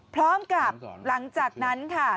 พร้อมกับหลังจากนั้นค่ะ